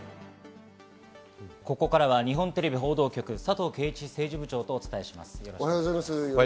日本テレビ報道局、佐藤圭一政治部長とお伝えします。